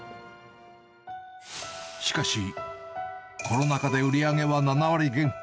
しかし、コロナ禍で売り上げは７割減。